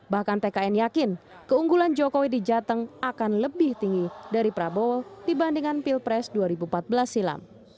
bahkan tkn yakin keunggulan jokowi di jateng akan lebih tinggi dari prabowo dibandingkan pilpres dua ribu empat belas silam